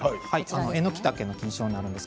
エノキタケの菌床になります。